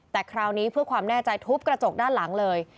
แต่คราวนี้เพื่อความแน่ใจทุบกระจกด้านหลังเลย